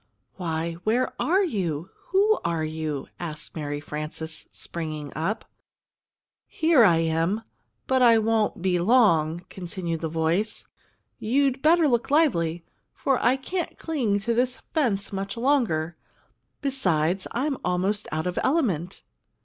"Why, where are you? Who are you?" asked Mary Frances, springing up. "Here I am, but I won't be long," continued the voice. "You'd better look lively, for I can't cling to this fence much longer. Besides, I am almost out of element!"